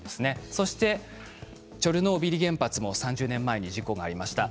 そしてチョルノービリ原発も３０年前に事故がありました。